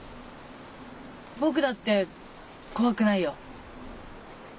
僕だって怖くないよ。